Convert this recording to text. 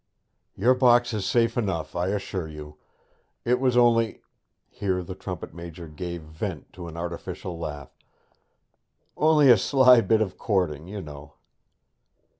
'Your box is safe enough, I assure you. It was only' here the trumpet major gave vent to an artificial laugh 'only a sly bit of courting, you know.'